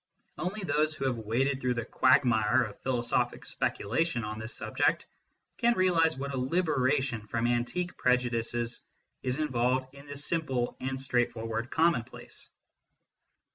Only those who have waded through the quagmire of philosophic speculation on this subject can realise what a liberation from antique pre judices is involved in this simple and straightforward commonplace.